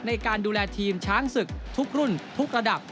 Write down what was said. ในการดูแลทีมช้างศึกทุกรุ่นทุกระดับ